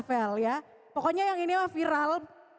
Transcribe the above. pokoknya yang ini mah viral